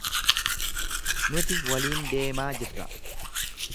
Nuti waliin deemaa jirra.